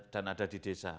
dan ada di desa